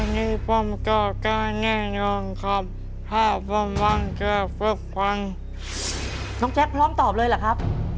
น้องแจ็คพร้อมตอบเลยหรือครับ